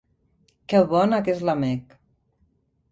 Que bona que és la Meg!